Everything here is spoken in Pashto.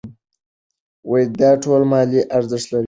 دا ټول مالي ارزښت لري.